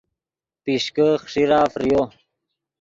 پیشکے خیݰیرہ فریو